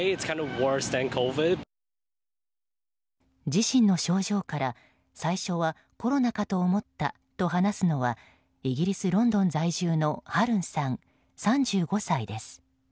自身の症状から最初はコロナかと思ったと話すのはイギリス・ロンドン在住のハルンさん、３５歳です。